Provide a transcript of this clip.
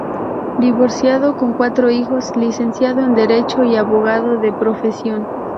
Divorciado con cuatro hijos, Licenciado en derecho y abogado de profesión.